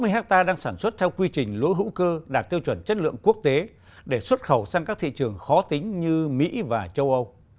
chín mươi hectare đang sản xuất theo quy trình lúa hữu cơ đạt tiêu chuẩn chất lượng quốc tế để xuất khẩu sang các thị trường khó tính như mỹ và châu âu